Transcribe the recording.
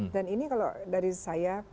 dan ini kalau dari saya